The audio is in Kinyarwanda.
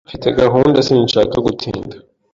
Mfite gahunda Sinshaka gutinda.